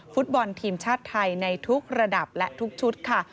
ฟุตบอลทีมชาติไทยในทุกระดับและทุกชุดค่ะ